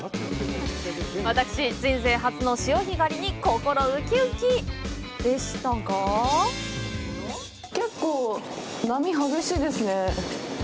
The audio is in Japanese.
私、人生初の潮干狩りに心ウキウキでしたが結構、波、激しいですね。